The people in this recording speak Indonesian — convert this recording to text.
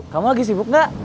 kamu lagi sibuk gak